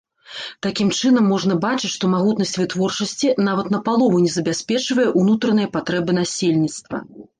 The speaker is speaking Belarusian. Такім чынам, можна бачыць, што магутнасць вытворчасці нават напалову не забяспечвае ўнутраныя патрэбы насельніцтва.